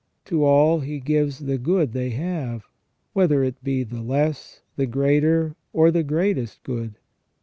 To all He gives the good they have, whether it be the less, the greater, or the greatest good.